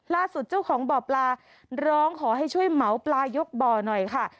เจ้าของบ่อปลาร้องขอให้ช่วยเหมาปลายกบ่อหน่อยค่ะ